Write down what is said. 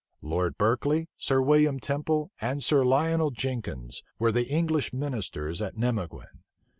Lord Berkeley, Sir William Temple, and Sir Lionel Jenkins were the English ministers at Nimeguen.